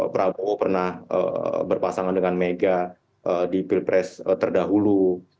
prabowo pernah berpasangan dengan mega di pilpres terdahulu